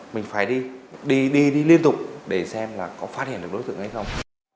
mình phải đi liên tục để xem là có phát hiện được đối tượng hay không